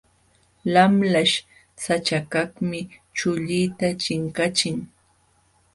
Lamlaśh saćhakaqmi chullita chinkachin.